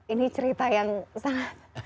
ini cerita yang sangat